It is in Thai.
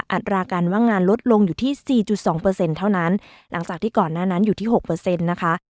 อัตราการว่างงานลดลงอยู่ที่สี่จุดสองเปอร์เซ็นต์เท่านั้นหลังจากที่ก่อนหน้านั้นอยู่ที่หกเปอร์เซ็นต์นะคะ